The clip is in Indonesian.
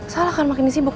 sal akan makin sibuk